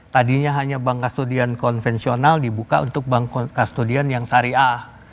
tadinya hanya bank kastudian konvensional dibuka untuk bank studian yang syariah